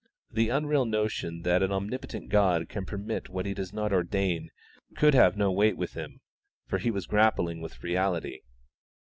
The unreal notion that an omnipotent God can permit what He does not ordain could have no weight with him, for he was grappling with reality.